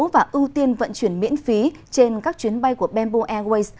và ưu tiên vận chuyển miễn phí trên các chuyến bay của bamboo airways